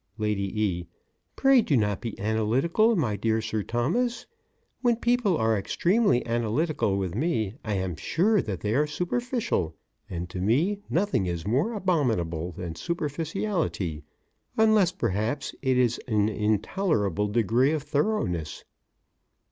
LADY E.: Pray do not be analytical, my dear Sir Thomas. When people are extremely analytical with me I am sure that they are superficial, and, to me, nothing is more abominable than superficiality, unless perhaps it is an intolerable degree of thoroughness.